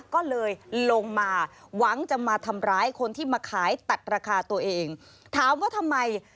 ก็เลยลงมาหวังจะมาทำร้ายคนที่มาขายตัดราคาตัวเองถามว่าทำไม